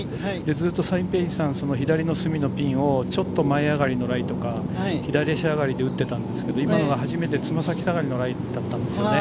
ずっとサイ・ペイインさんは左の隅のピンをちょっと前上がりのライとか左足上がりで打っていたんですが今のは初めてつま先上がりのライだったんですよね。